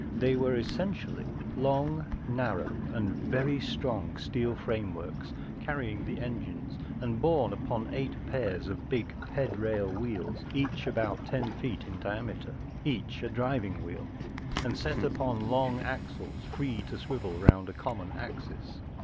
They were essentially long, narrow, and very strong steel frameworks carrying the engines, and borne upon eight pairs of big |>edraiI wheels, each about ten feet in diameter, each a driving wheel and set upon long axles free to swivel round a common axis.